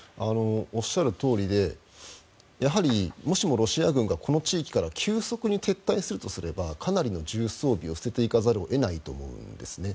おっしゃるとおりでやはり、もしもロシア軍がこの地域から急速に撤退するとすればかなりの重装備を捨てていかざるを得ないと思うんですね。